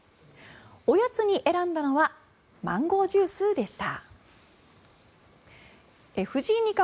おやつに選んだのはマンゴージュースでした。